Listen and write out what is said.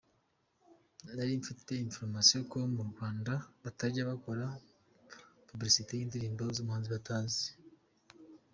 Nari mfite information ko mu Rwanda batajya bakora publicites y’indirimbo z’umuhanzi batazi.